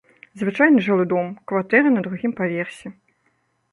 Звычайны жылы дом, кватэра на другім паверсе.